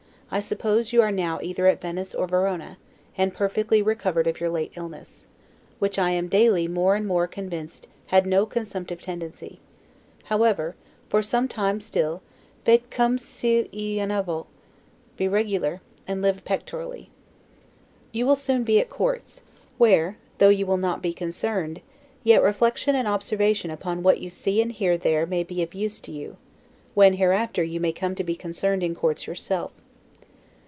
I suppose you are now either at Venice or Verona, and perfectly re covered of your late illness: which I am daily more and more convinced had no consumptive tendency; however, for some time still, 'faites comme s'il y en avoit', be regular, and live pectorally. You will soon be at courts, where, though you will not be concerned, yet reflection and observation upon what you see and hear there may be of use to you, when hereafter you may come to be concerned in courts yourself.